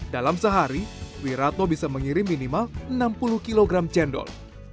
dalam sehari wiratno bisa mengirim minimal enam puluh kg cendol